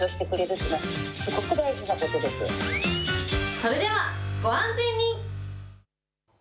それでは、ご安全に。